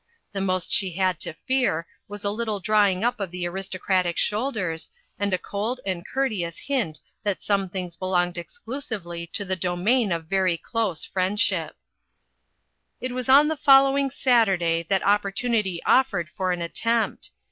The most she had to fear was a little drawing up of the aristocratic shoulders, and a cold and courteous hint that some things belonged exclusively to the domain of very close friendship. 35O INTERRUPTED. It was on the following Saturday that op portunity offered for an attempt.